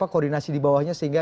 koordinasi di bawahnya sehingga